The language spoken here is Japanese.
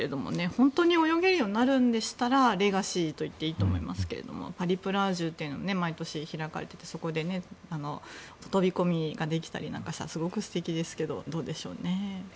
本当に泳げるようになるんでしたらレガシーと言っていいと思いますがパリ・プラージュというのも毎年開かれていてそこで飛び込みができたりしたらすごく素敵ですけどどうでしょうね。